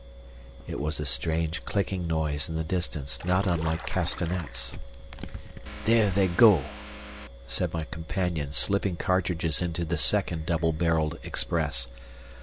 It was a strange clicking noise in the distance not unlike castanets. "There they go!" said my companion, slipping cartridges into the second double barrelled "Express."